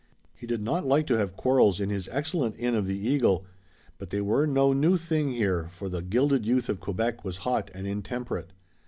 He did not like to have quarrels in his excellent Inn of the Eagle, but they were no new thing there, for the gilded youth of Quebec was hot and intemperate.